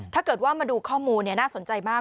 ถ้าเกิดว่ามาดูข้อมูลน่าสนใจมาก